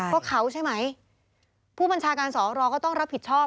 ก็เขาใช่ไหมผู้บัญชาการสอรก็ต้องรับผิดชอบ